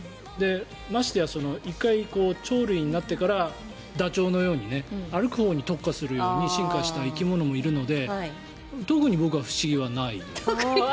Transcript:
ましてや１回、鳥類になってからダチョウのように歩くほうに特化するように進化した生き物もいるので特に僕は不思議はない。